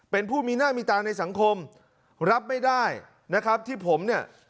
เป็นผู้มีหน้ามีตาในสังคมรับไม่ได้นะครับที่ผมเนี่ย